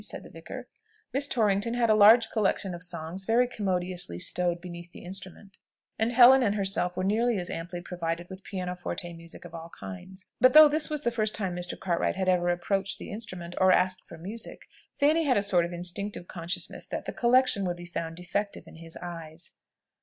said the vicar. Miss Torrington had a large collection of songs very commodiously stowed beneath the instrument; and Helen and herself were nearly as amply provided with piano forte music of all kinds: but though this was the first time Mr. Cartwright had ever approached the instrument, or asked for music, Fanny had a sort of instinctive consciousness that the collection would be found defective in his eyes.